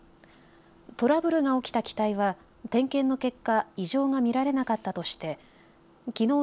トラブルが起きた機体は点検の結果異常が見られなかったとしてきのう